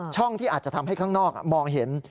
ช่องที่อาจจะทำให้ข้างนอกมองเห็น